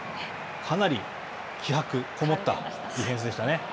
かなり気迫こもったディフェンスでしたね。